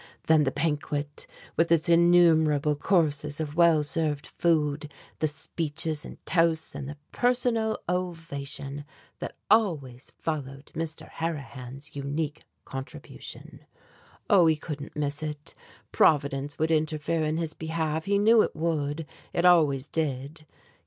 Then the banquet, with its innumerable courses of well served food, the speeches and toasts, and the personal ovation that always followed Mr. Harrihan's unique contribution. Oh! he couldn't miss it! Providence would interfere in his behalf, he knew it would, it always did.